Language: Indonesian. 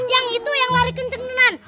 yang itu yang lari kencengan